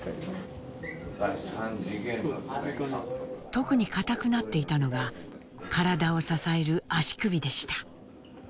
特に硬くなっていたのが体を支える足首でした。